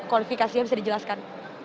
kualifikasinya bisa dijelaskan